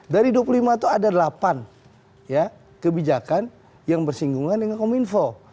dari dua puluh lima itu ada delapan kebijakan yang bersinggungan dengan kominfo